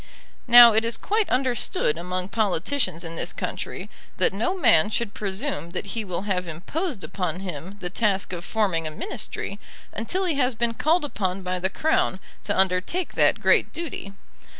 Now it is quite understood among politicians in this country that no man should presume that he will have imposed upon him the task of forming a Ministry until he has been called upon by the Crown to undertake that great duty.